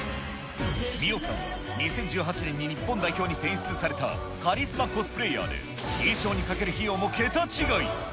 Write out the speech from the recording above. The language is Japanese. ミオさんは２０１８年に日本代表に選出されたカリスマコスプレイヤーで、衣装にかける費用も桁違い。